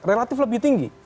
relatif lebih tinggi